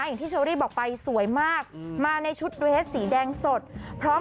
อย่างที่เชอรี่บอกไปสวยมากมาในชุดเรสสีแดงสดพร้อม